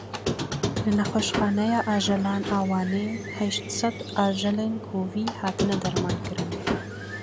Li nexweşxaneya ajelan a Wanê heyşt sed ajelên kovî hatine dermankirin.